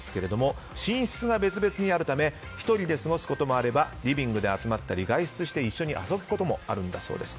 寝室が別々にあるため１人で過ごすこともあればリビングで集まったり、外出して一緒に遊ぶこともあるそうです。